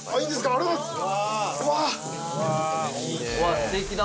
ありがとうございます。